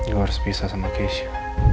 gue harus pisah sama keisha